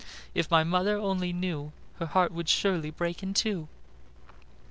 "If my mother only knew Her heart would surely break in two."